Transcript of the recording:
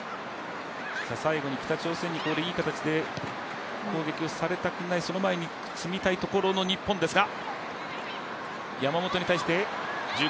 最後に北朝鮮にいい形で攻撃をされたくない、その前に詰めたいところの日本ですが。